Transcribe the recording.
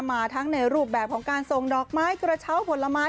มาทั้งในรูปแบบของการส่งดอกไม้กระเช้าผลไม้